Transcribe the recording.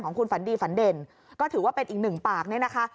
ของคุณฝันดีฝันเด่นก็ถือว่าเป็นอีกหนึ่งปากเนี่ยนะคะ